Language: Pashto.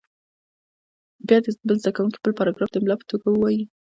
بیا دې بل زده کوونکی بل پاراګراف د املا په توګه ووایي.